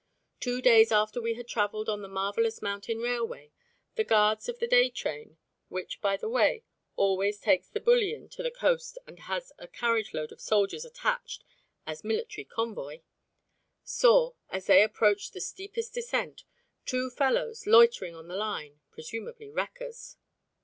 Two days after we had travelled on the marvellous mountain railway, the guards of the day train (which by the way always takes the bullion to the coast and has a carriage load of soldiers attached as military convoy) saw, as they approached the steepest descent, two fellows loitering on the line, presumably wreckers.